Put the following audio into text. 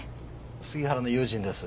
杉原の友人です。